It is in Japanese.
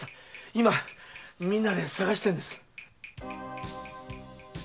今みんなで捜してるんです。